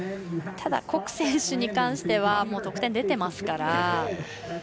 ただ谷選手に関してはもう得点が出ていますから。